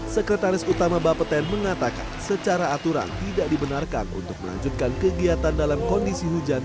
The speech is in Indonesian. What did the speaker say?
sekretaris utama bapeten mengatakan secara aturan tidak dibenarkan untuk melanjutkan kegiatan dalam kondisi hujan